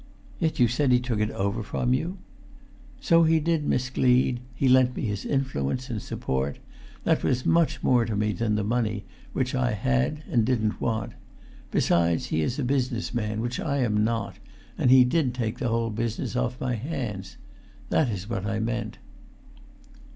"Yet you said he took it over from you!" "So he did, Miss Gleed. He lent me his influ[Pg 372]ence and support; that was much more to me than the money, which I had and didn't want. Besides, he is a business man, which I am not, and he did take the whole business off my hands. That is what I meant."